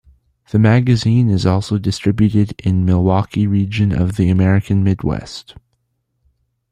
The magazine is also distributed in Milwaukee region of the American Midwest.